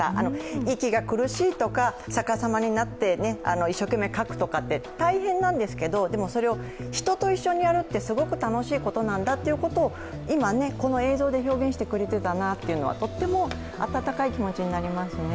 息が苦しいとか、逆さまになって一生懸命かくとかって、大変なんですけどでも、それを人と一緒にやるってすごく楽しいことなんだって今、この映像で表現してくれていたなっていうのはとっても温かい気持ちになりますね。